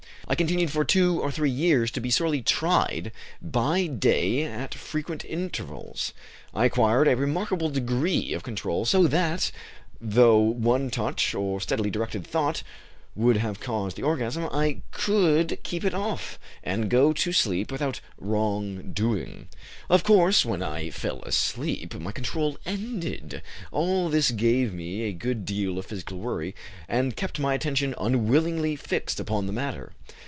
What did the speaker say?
I continued for two or three years to be sorely tried by day at frequent intervals. I acquired a remarkable degree of control, so that, though one touch or steadily directed thought would have caused the orgasm, I could keep it off, and go to sleep without 'wrong doing.' Of course, when I fell asleep, my control ended. All this gave me a good deal of physical worry, and kept my attention unwillingly fixed upon the matter.